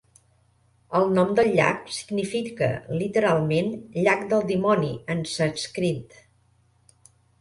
El nom del llac significa literalment "llac del dimoni" en sànscrit.